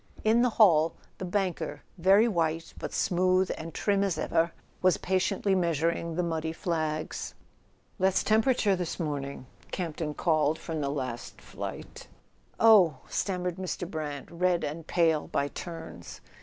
In the hall the banker, very white, but smooth and trim as ever, was patiently measuring the muddy flags. "Less temperature this morning," Camp ton called from the last flight. "Oh," stammered Mr. Brant, red and pale by turns.